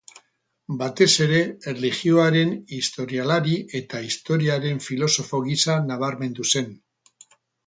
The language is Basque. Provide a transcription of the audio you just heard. Batez ere erlijioaren historialari eta historiaren filosofo gisa nabarmendu zen.